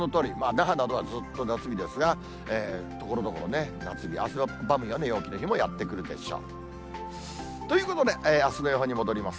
那覇などはずっと夏日ですが、ところどころね、夏日、汗ばむような陽気の日もやって来るでしょう。ということで、あすの予報に戻ります。